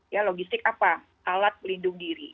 ya logistik apa alat pelindung diri